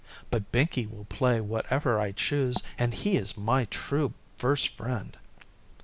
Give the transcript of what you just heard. But Binkie will play whatever I choose, And he is my true First Friend.